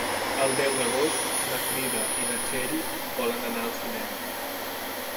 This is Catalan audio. El deu d'agost na Frida i na Txell volen anar al cinema.